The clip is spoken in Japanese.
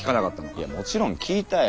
いやもちろん聞いたよ。